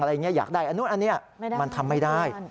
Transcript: อะไรอย่างนี้อยากได้อันนู้นอันนี้มันทำไม่ได้